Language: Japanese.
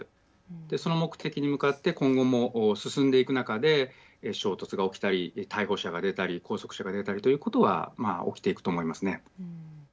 で、その目的に向かって今後も進んでいく中で衝突が起きたり逮捕者が出たり拘束者が出たりということはまあ、起きていくと思いますね。